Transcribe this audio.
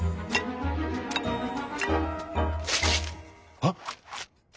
あっ！